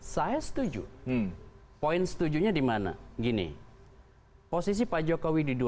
saya setuju poin setujunya dimana gini posisi pak jokowi di dua ribu empat belas